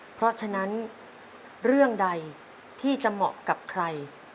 เพราะฉะนั้นเรื่องใดที่จะเหมาะกับใคร